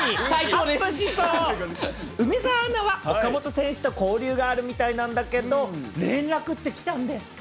梅澤アナは、岡本選手と交流があるみたいなんだけど、連絡って来たんですか？